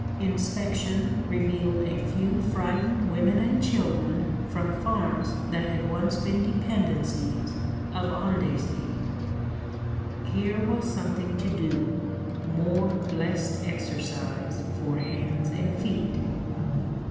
Inspection revealed a few frightened women and children from farms that had once been dependencies of Andecy. Here was something to do more blessed exercise for hands and feet.